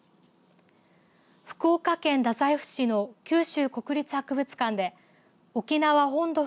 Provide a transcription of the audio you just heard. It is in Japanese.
福岡県太宰府市の九州国立博物館で沖縄本土